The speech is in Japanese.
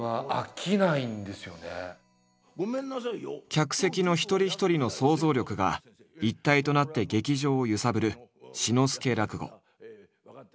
客席の一人一人の想像力が一体となって劇場を揺さぶる「志の輔らくご」。